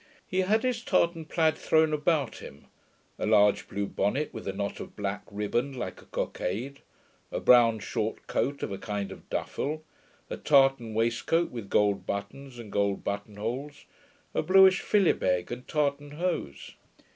He had his tartan plaid thrown about him, a large blue bonnet with a knot of black ribband like a cockade, a brown short coat of a kind of duffil, a tartan waistoat with gold buttons and gold button holes, a bluish philibeg, and tartan hose.